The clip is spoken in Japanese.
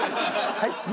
はい？